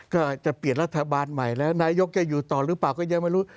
ก็จะเปลี่ยนรัฐบาลใหม่แล้วนายกจะอยู่ต่อหรือเปล่าก็ยังไม่รู้